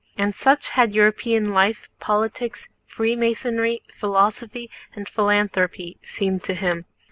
And such had European life, politics, Freemasonry, philosophy, and philanthropy seemed to him.